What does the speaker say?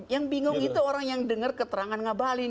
yang bingung itu orang yang dengar keterangan ngabalin